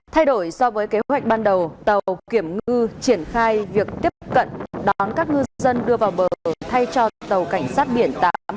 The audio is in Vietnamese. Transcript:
thay đổi so với kế hoạch ban đầu tàu kiểm ngư triển khai việc tiếp cận đón các ngư dân đưa vào bờ thay cho tàu cảnh sát biển tám nghìn hai trăm ba